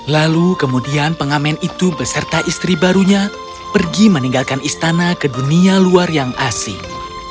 lalu kemudian pengamen itu beserta istri barunya pergi meninggalkan istana ke dunia luar yang asing